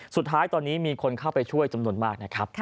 สุดท้ายตอนนี้มีคนเข้าไปช่วยจำนวนมากนะครับ